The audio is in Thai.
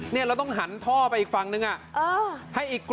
เนี้ยเราต้องหันท่อไปอีกฝั่งนึงอ่ะเออให้อีกกว่า